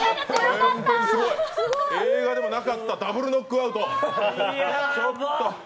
映画でもなかったダブルノックアウト。